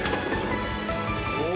お！